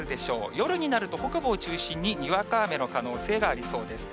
夜になると、北部を中心ににわか雨の可能性がありそうです。